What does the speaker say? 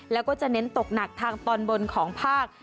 แล้วก็จะเน้นตกหนักทางตอนบนของภาค